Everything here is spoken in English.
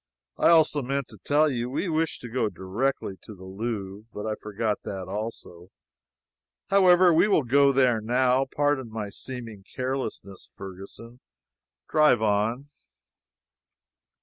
I also meant to tell you we wished to go directly to the Louvre, but I forgot that also. However, we will go there now. Pardon my seeming carelessness, Ferguson. Drive on."